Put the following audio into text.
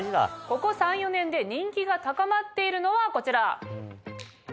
ここ３４年で人気が高まっているのはこちら。